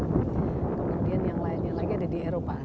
kemudian yang lainnya lagi ada di eropa